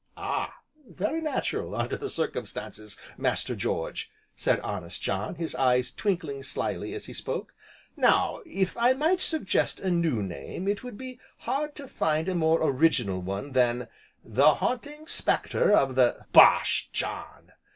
"Ah! very natural under the circumstances, Master George," said honest John, his eyes twinkling slyly as he spoke, "Now, if I might suggest a new name it would be hard to find a more original one than 'The Haunting Spectre of the " "Bosh, John!